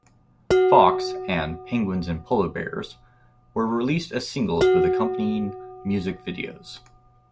"Fox" and "Penguins and Polarbears" were released as singles with accompanying music videos.